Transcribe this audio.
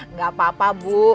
nggak apa apa bu